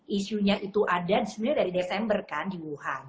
isunya itu ada sebenarnya dari desember kan di wuhan